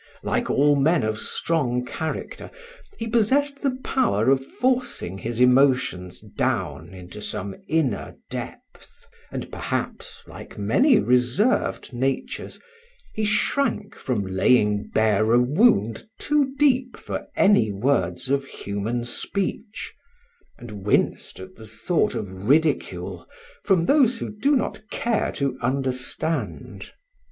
Like all men of strong character, he possessed the power of forcing his emotions down into some inner depth, and, perhaps, like many reserved natures, he shrank from laying bare a wound too deep for any words of human speech, and winced at the thought of ridicule from those who do not care to understand.